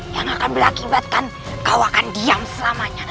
yang akan mengakibatkan kau akan diam selamanya